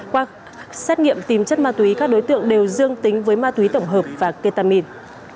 qua xét nghiệm tìm chất ma túy các đối tượng đều dương tính với ma túy tổng hợp và ketamin